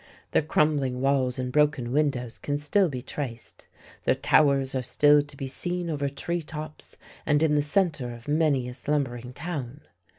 Their crumbling walls and broken windows can still be traced, their towers are still to be seen over tree tops and in the centre of many a slumbering town.